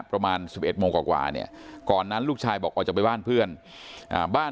ประมาณ๑๑โมงกว่าเนี่ยก่อนนั้นลูกชายบอกออกจากไปบ้านเพื่อนบ้าน